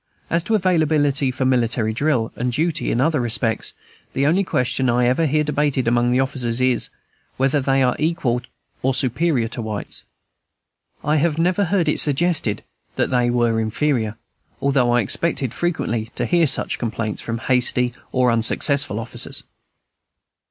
As to availability for military drill and duty in other respects, the only question I ever hear debated among the officers is, whether they are equal or superior to whites. I have never heard it suggested that they were inferior, although I expected frequently to hear such complaints from hasty or unsuccessful officers.